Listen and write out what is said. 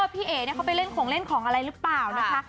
พี่เอ๋เขาไปเล่นของเล่นของอะไรหรือเปล่านะคะ